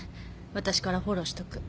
私からフォローしとく。